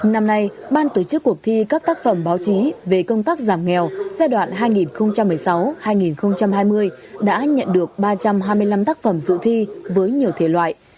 năm nay ban tổ chức cuộc thi các tác phẩm báo chí về công tác giảm nghèo giai đoạn hai nghìn một mươi sáu hai nghìn hai mươi đã nhận được ba trăm hai mươi năm tác phẩm dự thi với nhiều thể loại